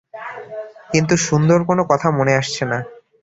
কিন্তু সুন্দর কোনো কথা মনে আসছে না।